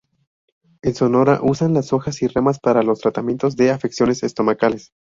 En Sonora, usan las hojas y ramas para los tratamientos de afecciones estomacales.